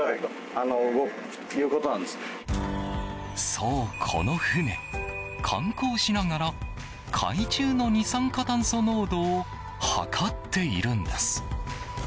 そう、この船、観光しながら海中の二酸化炭素濃度を測っているんです。